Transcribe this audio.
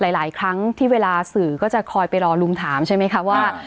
หลายครั้งที่เวลาสื่อก็จะคอยไปรอลุมถามใช่ไหมคะว่า